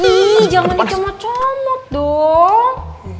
ini jangan dicomot comot dong